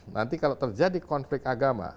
nanti kalau terjadi konflik agama